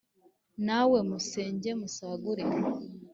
na we musenge musagurire,